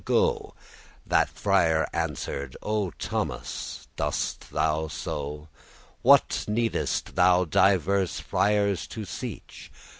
* *gone The friar answer'd, "O Thomas, dost thou so? What needest thou diverse friars to seech?